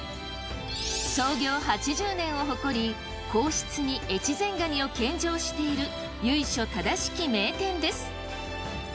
創業８０年を誇り皇室に越前がにを献上している由緒正しき名店です。